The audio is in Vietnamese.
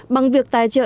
bằng việc tài trợ